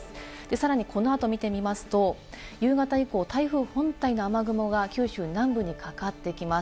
さらにこの後を見てみますと、夕方以降、台風本体の雨雲が九州南部にかかってきます。